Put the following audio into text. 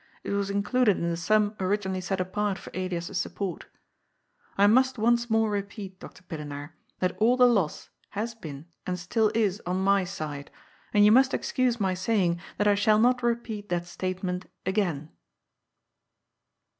It was included in the sum originally set apart for Elias's support. I must once more repeat, Dr. Pillenaar, that all the loss has been and still is on my side, and you must excuse my saying that I shall not repeat that statement again."